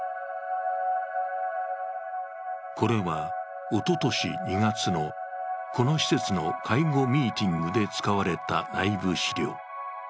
これは、おととし２月のこの施設の介護ミーティングで使われた内部資料。